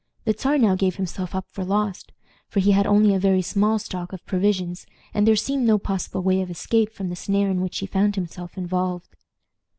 The Czar now gave himself up for lost, for he had only a very small stock of provisions, and there seemed no possible way of escape from the snare in which he found himself involved.